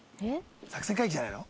作戦会議じゃないの？